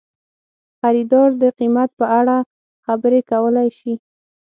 خریدار د قیمت په اړه خبرې کولی شي.